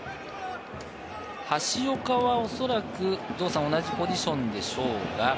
橋岡はおそらく同じポジションでしょうか。